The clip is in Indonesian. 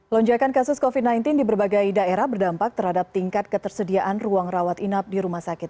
lonjakan kasus covid sembilan belas di berbagai daerah berdampak terhadap tingkat ketersediaan ruang rawat inap di rumah sakit